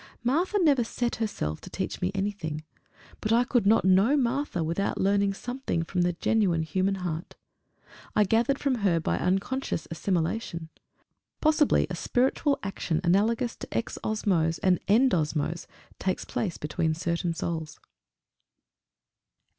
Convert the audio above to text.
Martha never set herself to teach me anything, but I could not know Martha without learning something of the genuine human heart. I gathered from her by unconscious assimilation. Possibly, a spiritual action analogous to exosmose and endosmose, takes place between certain souls.